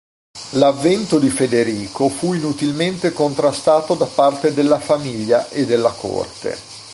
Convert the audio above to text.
L'avvento di Federico fu inutilmente contrastato da parte della famiglia e della corte.